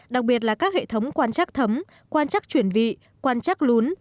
đặc biệt là các hệ thống quan chắc thấm quan chắc chuyển vị quan chắc lún